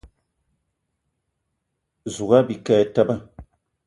Zouga bike e teba.